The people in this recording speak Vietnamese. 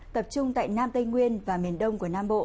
tập trung tại nam tây nguyên và miền đông của nam bộ